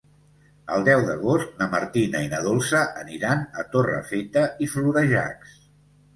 El deu d'agost na Martina i na Dolça aniran a Torrefeta i Florejacs.